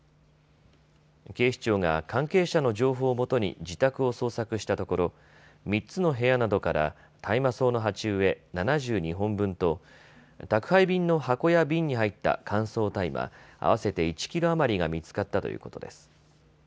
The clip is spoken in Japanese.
警視庁が関係者の情報をもとに自宅を捜索したところ３つの部屋などから大麻草の鉢植え７２本分と宅配便の箱や瓶に入った乾燥大麻、合わせて１キロ余りが見つかったということです。